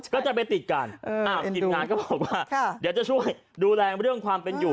ก็จะไปติดกันทีมงานก็บอกว่าเดี๋ยวจะช่วยดูแลเรื่องความเป็นอยู่